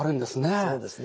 そうですね。